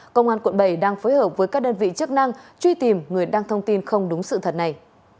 công an quận bảy đang phối hợp với các đơn vị chức năng truy tìm người đăng thông tin không đúng sự thật này